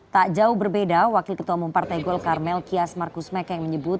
tak jauh berbeda wakil ketua umum partai golkar melkias markus mekeng menyebut